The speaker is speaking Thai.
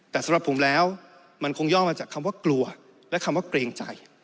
แต่สำหรับผมแล้วมันคงย่อมาจากคำว่ากลัวและคำว่าเกรงใจ